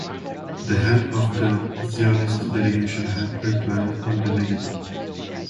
The head of the Zionist delegation had replied in the negative.